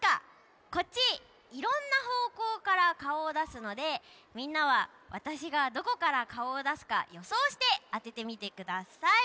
いろんなほうこうからかおをだすのでみんなはわたしがどこからかおをだすかよそうしてあててみてください。